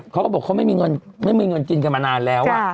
เขาก็บอกเขาไม่มีเงินกินกันมานานแล้วอะ